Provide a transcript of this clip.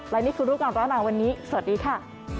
และนี่คือรูปก่อนร้อนหนาวันนี้สวัสดีค่ะ